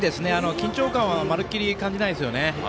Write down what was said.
緊張感はまるきり感じないですよね。